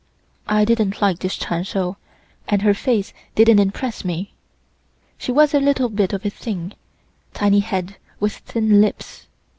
I didn't like this Chun Shou, and her face didn't impress me. She was a little bit of a thing, tiny head with thin lips.